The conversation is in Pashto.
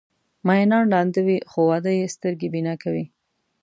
مینان ړانده وي خو واده یې سترګې بینا کوي.